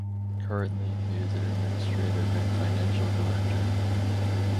Currently he is an administrative and financial director.